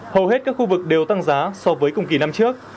hầu hết các khu vực đều tăng giá so với cùng kỳ năm trước